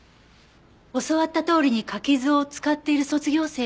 教わったとおりに柿酢を使っている卒業生はいない？